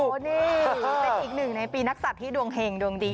นี่เป็นอีกหนึ่งในปีนักศัตริย์ที่ดวงเห็งดวงดี